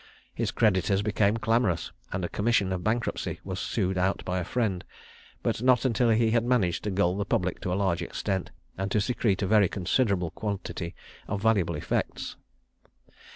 His creditors became clamorous, and a commission of bankruptcy was sued out by a friend, but not until he had managed to gull the public to a large extent, and to secrete a very considerable quantity of valuable effects.